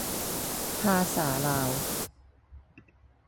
ภาษาลาว